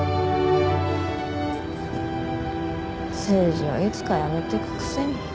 誠治はいつか辞めてくくせに。